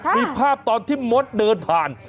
มีภาพตอนที่มดเดินผ่าน